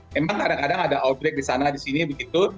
memang kadang kadang ada outbreak di sana di sini begitu